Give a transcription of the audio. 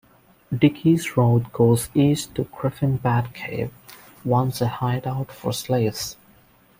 Dickie's Road goes east to Griffin Bat Cave, once a hideout for slaves.